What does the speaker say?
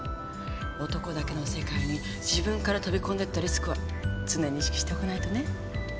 男だけの世界に自分から飛び込んでったリスクは常に意識しておかないとね。